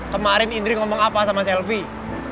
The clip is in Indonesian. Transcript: kemarin indri ngomong apa sama selfie